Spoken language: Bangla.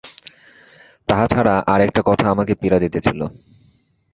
তাহা ছাড়া আর-একটা কথা তাহাকে পীড়া দিতেছিল।